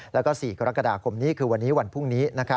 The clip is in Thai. แล้วก็๔กรกฎาคมนี้คือวันนี้วันพรุ่งนี้